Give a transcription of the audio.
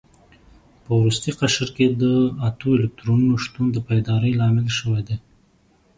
په وروستي قشر کې د اتو الکترونونو شتون د پایداري لامل شوی دی.